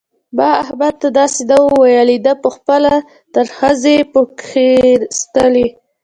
ما احمد ته داسې نه وو ويلي؛ ده په خپله ترخځي په کښېيستلې.